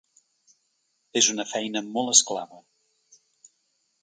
És una feina molt esclava.